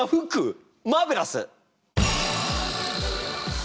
マーベラス！